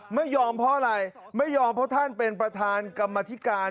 ไม่ยอมเพราะอะไรไม่ยอมเพราะท่านเป็นประธานกรรมธิการ